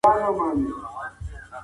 حکومت د حق اخیستلو واک لري.